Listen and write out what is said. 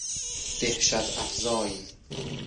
دهشت افزای